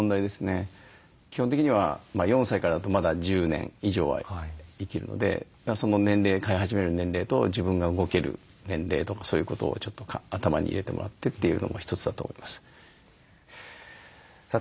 基本的には４歳からだとまだ１０年以上は生きるのでその年齢飼い始める年齢と自分が動ける年齢とかそういうことをちょっと頭に入れてもらってというのも一つだと思います。